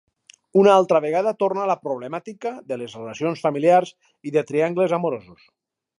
Una altra vegada torna la problemàtica de les relacions familiars i de triangles amorosos.